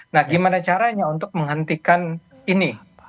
nah gimana caranya untuk menghentikan ini